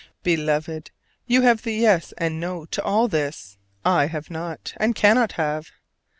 Beloved, you have the yes and no to all this: I have not, and cannot have.